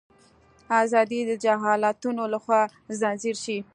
ازادي د جهالتونو لخوا ځنځیر شي.